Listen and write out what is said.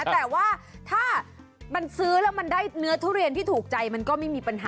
แต่ว่าถ้ามันซื้อแล้วมันได้เนื้อทุเรียนที่ถูกใจมันก็ไม่มีปัญหา